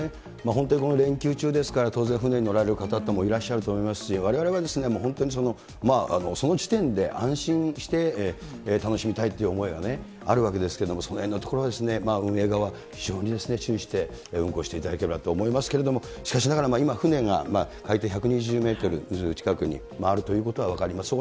本当にこの連休中ですから、当然船に乗られる方もいらっしゃると思いますし、われわれは本当にその時点で安心して楽しみたいっていう思いがあるわけですけれども、そのへんのところ、運営側、非常に注意して運航していただければと思いますけど、しかしながら、今、船が海底１２０メートル近くにあるということは分かりました。